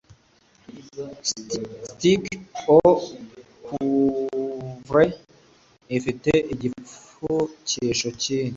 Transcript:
Steak Au Poivre Ifite Igipfukisho Niki?